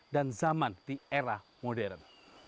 dan zaman di era modern